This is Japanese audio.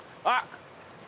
あっ！